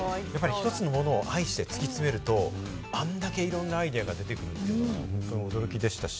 １つのものを愛して突き詰めると、あれだけいろんなアイデアが出てくるというのがすごく驚きでしたし。